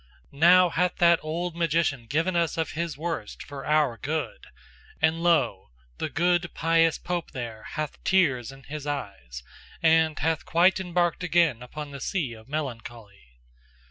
Now hath that old magician given us of his worst for our good, and lo! the good, pious pope there hath tears in his eyes, and hath quite embarked again upon the sea of melancholy.